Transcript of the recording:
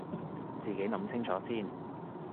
自己諗清楚先